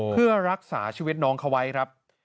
เพื่อรักษาชีวิตน้องเขาไว้ครับ